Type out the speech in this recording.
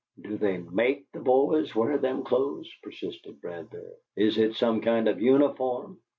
"Do they MAKE the boys wear them clothes?" persisted Bradbury. "Is it some kind of uniform?"